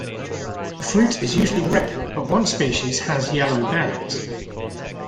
The fruit is usually red, but one species has yellow berries.